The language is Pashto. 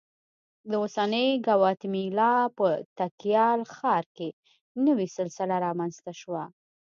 د اوسنۍ ګواتیمالا په تیکال ښار کې نوې سلسله رامنځته شوه